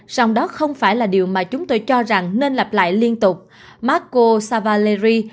song đó không phải là điều mà chúng tôi cho rằng nên lặp lại liên tục marco savaleri